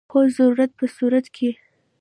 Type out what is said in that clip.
هو، د ضرورت په صورت کې